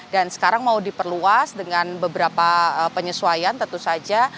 dan sekarang mau diperluas dengan beberapa penyesuaian tentu saja